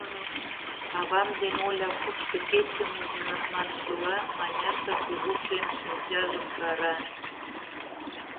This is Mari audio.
Авам ден Оля кушто кечым ужыныт маншыла, Маняша кугу шем шинчажым кара.